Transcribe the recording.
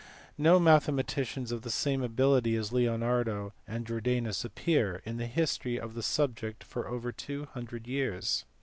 No mathematicians of the same ability as Leonardo and Jordanus appear in the history of the subject for over two hundred years.